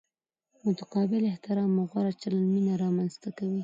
متقابل احترام او غوره چلند مینه را منځ ته کوي.